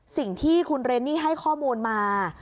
สิ่งที่คุณเรนนี่ให้ข้อมูลมา